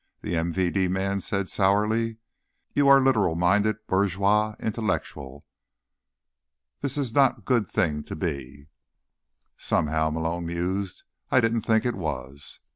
the MVD man said sourly. "You are literal minded bourgeois intellectual. This is not good thing to be." "Somehow," Malone mused, "I didn't think it was."